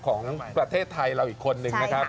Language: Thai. ของประเทศไทยเราอีกคนนึงนะครับ